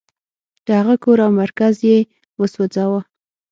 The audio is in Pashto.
د هغه کور او مرکز یې وسوځاوه.